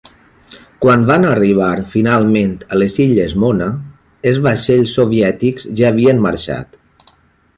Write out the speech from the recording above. Quan van arribar finalment a les illes Mona, els vaixells soviètics ja havien marxat.